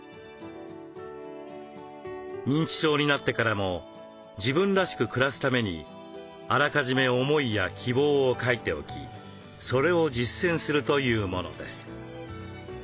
認知症になってからも自分らしく暮らすためにあらかじめ思いや希望を書いておきそれを実践するというものです。